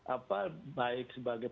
apa baik sebagai